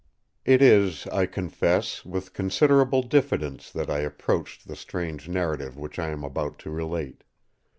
It is, I confess, with considerable diffidence that I approached the strange narrative which I am about to relate.